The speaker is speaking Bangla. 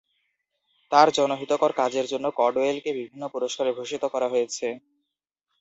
তাঁর জনহিতকর কাজের জন্য কডওয়েলকে বিভিন্ন পুরস্কারে ভূষিত করা হয়েছে।